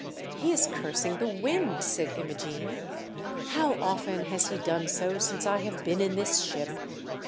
" He is cursing the wind," said Imogene. "How often has he done so since I have been in this ship